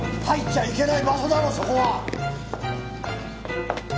入っちゃいけない場所だろそこは！